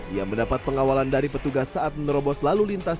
ia mendapat pengawalan dari petugas saat menerobos lalu lintas